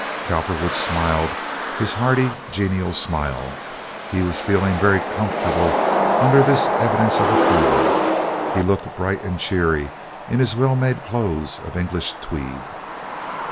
Cowperwood smiled his hearty, genial smile. He was feeling very comfortable under this evidence of approval. He looked bright and cheery in his well made clothes of English tweed.